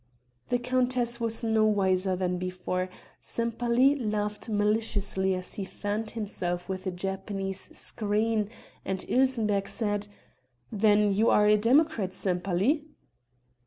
The countess was no wiser than before, Sempaly laughed maliciously as he fanned himself with a Japanese screen, and Ilsenbergh said: "Then you are a democrat, Sempaly?"